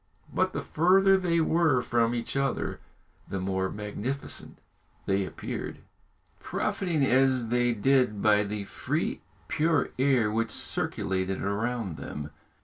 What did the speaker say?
But the further they were from each other the more magnificent they appeared, profiting, as they did, by the free, pure air which circulated around them.